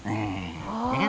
eh ya kan